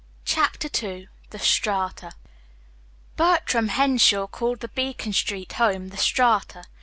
CHAPTER II "THE STRATA" Bertram Henshaw called the Beacon Street home "The Strata."